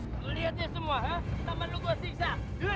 kau lihat ya semua sama lu gua siksa